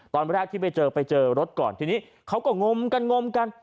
ตอนแรกที่ไปเจอไปเจอรถก่อนทีนี้เขาก็งมกันงมกัน